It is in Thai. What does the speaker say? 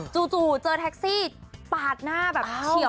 จู่เจอแท็กซี่ปาดหน้าแบบเฉียว